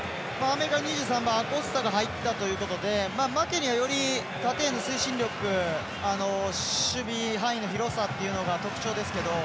アメリカの２３番アコスタが入ったということでマケニーは、より縦への推進力守備範囲の広さというのが特徴ですけど。